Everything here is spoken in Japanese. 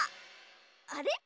あれ？